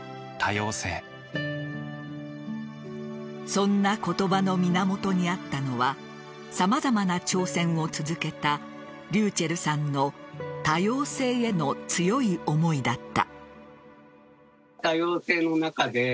そんな言葉の源にあったのは様々な挑戦を続けたｒｙｕｃｈｅｌｌさんの多様性への強い思いだった。